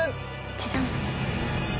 ジャジャン。